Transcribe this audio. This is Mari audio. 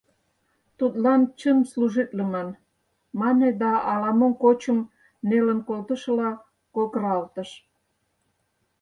Тудлан чын служитлыман, — мане да ала-мом кочым нелын колтышыла кокыралтыш.